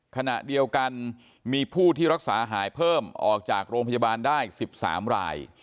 ขณะเดียวกันมีผู้ที่รักษาหายเพิ่มออกจากโรงพยาบาลได้๑๓ราย